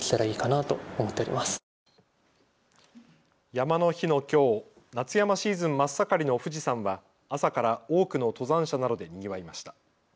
山の日のきょう夏山シーズン真っ盛りの富士山は朝から多くの登山者などでにぎわいました。